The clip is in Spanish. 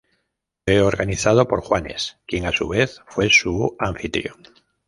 Fue organizado por Juanes, quien a su vez fue su anfitrión.